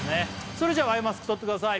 それじゃアイマスク取ってください